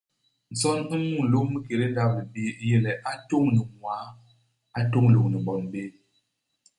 Nson u mulôm i kédé ndap-libii u yé le a tôñ ni ñwaa. A tôñ lôñni bon béé.